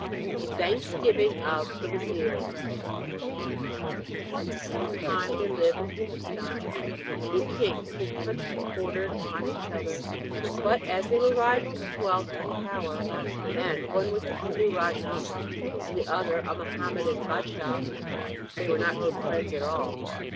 THE THANKSGIVING OF THE WAZIR Once upon a time there lived in Hindustan two kings whose countries bordered upon each other; but, as they were rivals in wealth and power, and one was a Hindu rajah and the other a Mohammedan bâdshah, they were not good friends at all.